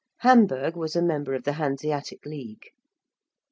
~Hamburg~ was a member of the Hanseatic League.